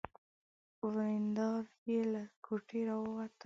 ورېندار يې له کوټې را ووته.